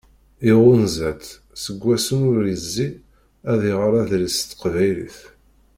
Iɣunza-tt. Seg wassen ur yezzi ad iɣer adlis s teqbaylit.